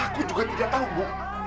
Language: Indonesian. aku juga tidak tahu bu